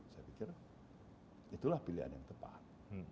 saya pikir itulah pilihan yang tepat